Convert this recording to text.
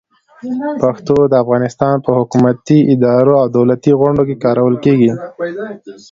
پښتو د افغانستان په حکومتي ادارو او دولتي غونډو کې کارول کېږي.